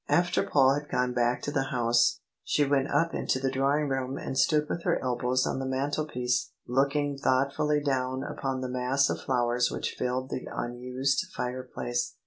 After Paul had gone back to the House, she went up into the drawing room and stood with her elbows on the mantel piece, looking thoughtfully down upon the mass of flowers which filled the unused fireplace.